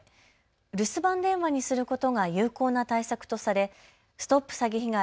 留守番電話にすることが有効な対策とされＳＴＯＰ詐欺被害！